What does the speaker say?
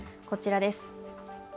こちらです。